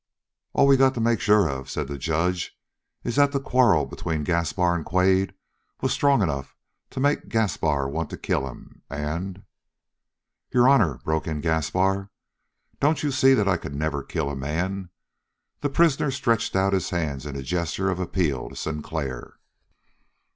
"All we got to make sure of," said the judge, "is that that quarrel between Gaspar and Quade was strong enough to make Gaspar want to kill him, and " "Your honor," broke in Gaspar, "don't you see that I could never kill a man?" The prisoner stretched out his hands in a gesture of appeal to Sinclair.